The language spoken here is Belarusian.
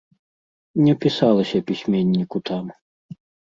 Не пісалася пісьменніку там.